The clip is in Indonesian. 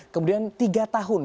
kemudian tiga tahun